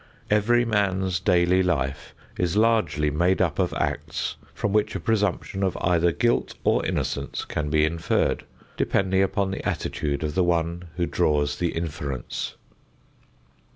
Every man's daily life is largely made up of acts from which a presumption of either guilt or innocence can be inferred, depending upon the attitude of the one who draws the inference.